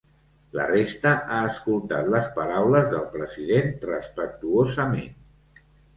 La resta ha escoltat les paraules del president respectuosament.